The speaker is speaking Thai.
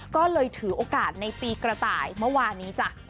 ก็เลยถือโอกาสในปีกระต่ายเมื่อวานนี้จ้ะ